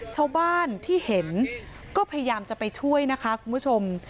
ชาวบ้านที่เห็นก็พยายามจะไปช่วยนะคะคุณผู้ชม